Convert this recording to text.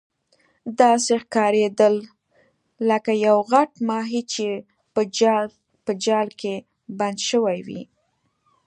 داسې ښکاریدل لکه یو غټ ماهي چې په جال کې بند شوی وي.